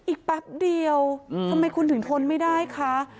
แป๊บเดียวทำไมคุณถึงทนไม่ได้คะ